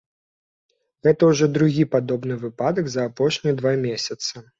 Гэта ўжо другі падобны выпадак за апошнія два месяцы.